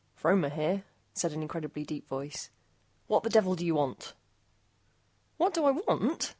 "Fromer here," said an incredible deep voice, "what the devil do you want?" "What do I want?"